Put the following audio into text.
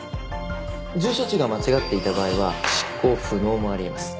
住所地が間違っていた場合は執行不能もあり得ます。